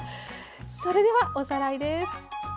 それではおさらいです。